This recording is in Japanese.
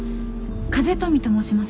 風富と申します。